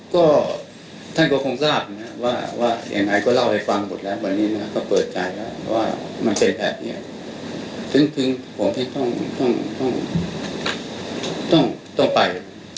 ก็ท่านก็คงทราบนะครับว่ายังไงก็เล่าให้ฟังหมดแล้ววันนี้นะก็เปิดใจแล้วว่ามันเจอแบบนี้ซึ่งผมต้องไป